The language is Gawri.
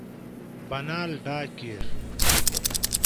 باناۤل ڈاۤ کِیر